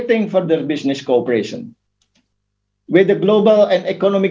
dengan proses pembangunan global dan ekonomi